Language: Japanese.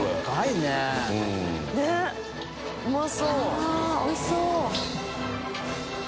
あぁおいしそう！